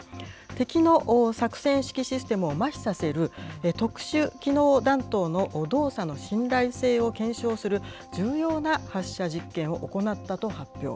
敵の作戦指揮システムをまひさせる特殊機能弾頭の動作の信頼性を検証する重要な発射実験を行ったと発表。